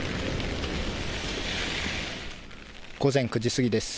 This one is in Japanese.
午前９時過ぎです。